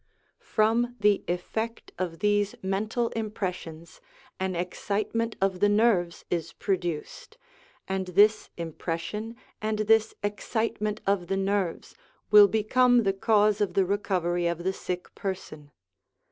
From the effect of these mental impressions an excitement of the nerves is produced, and this impression and this excitement of the nerves will become the cause of the recovery of the sick person.